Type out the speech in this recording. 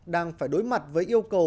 đang phải đối mặt với yêu cầu